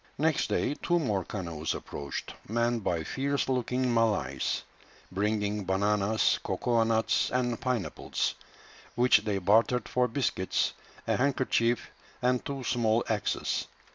Next day two more canoes approached, manned by fierce looking Malays, bringing bananas, cocoa nuts, and pineapples, which they bartered for biscuits, a handkerchief, and two small axes.